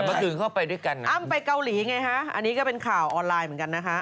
เข้าไปด้วยกันอ้ำไปเกาหลีไงฮะอันนี้ก็เป็นข่าวออนไลน์เหมือนกันนะฮะ